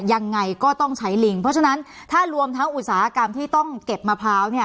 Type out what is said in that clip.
ยังไงก็ต้องใช้ลิงเพราะฉะนั้นถ้ารวมทั้งอุตสาหกรรมที่ต้องเก็บมะพร้าว